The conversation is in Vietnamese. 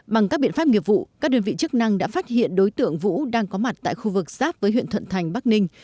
bằng các biện pháp nghiệp vụ các đơn vị chức năng đã phát hiện đối tượng vũ đang có mặt tại khu vực giáp với huyện thuận thành bắc ninh